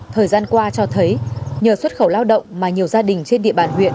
thời gian qua cho thấy nhờ xuất khẩu lao động mà nhiều gia đình trên địa bàn huyện